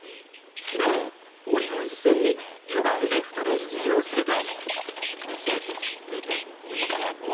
昨日、オリオールズ戦に４番レフトで出場すると。